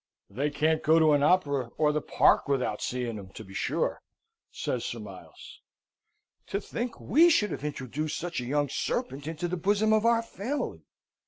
"They can't go to an opera, or the park, without seeing 'em, to be sure," says Sir Miles. "To think we should have introduced such a young serpent into the bosom of our family!